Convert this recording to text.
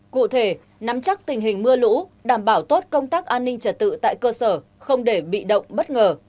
cụ thể nắm chắc tình hình mưa lũ đảm bảo tốt công tác an ninh trật tự tại cơ sở không để bị động bất ngờ